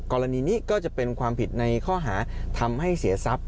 กรณีนี้ก็จะเป็นความผิดในข้อหาทำให้เสียทรัพย